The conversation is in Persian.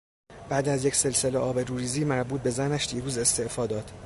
بعد از یک سلسله آبروریزی مربوط به زنش دیروز استعفا داد.